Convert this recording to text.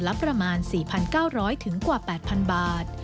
รับประมาณ๔๙๐๐ถึงกว่า๘๐๐๐บาท